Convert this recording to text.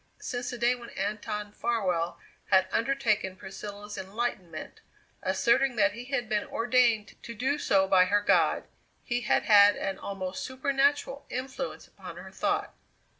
Since the day when Anton Farwell had undertaken Priscilla's enlightenment, asserting that he had been ordained to do so by her god, he had had an almost supernatural influence upon her thought.